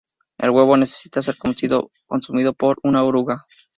El huevo necesita ser consumido por una oruga.